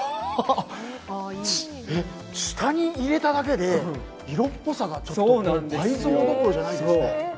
えっ、下に入れただけで色っぽさが倍増どころじゃないですね。